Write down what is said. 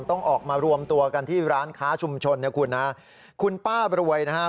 ต้องออกมารวมตัวกันที่ร้านค้าชุมชนนะคุณฮะคุณป้าบรวยนะฮะ